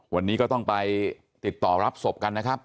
วันนี้ก็ต้องไปติดต่อรับศพกันนะครับ